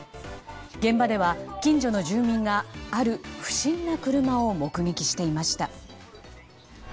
現場では、近所の住民がある不審な車を目撃していました。